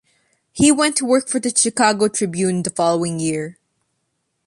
He went to work for the "Chicago Tribune" the following year.